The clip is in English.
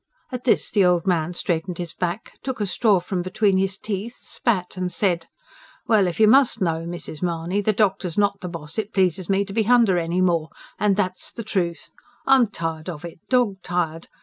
At this the old man straightened his back, took a straw from between his teeth, spat and said: "Well, if you must know, Mrs. Mahony, the doctor's not the boss it pleases me to be h'under any more and that's the trewth. I'm tired of it dog tired.